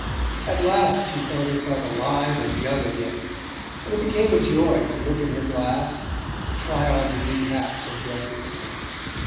At last she felt herself alive and young again, and it became a joy to look in her glass and to try on her new hats and dresses...